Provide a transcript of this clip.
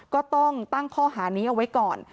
ก็ต้องตั้งข้อหานี้เอาไว้ก่อน